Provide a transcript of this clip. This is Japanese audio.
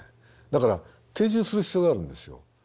だから定住する必要があるんですよ。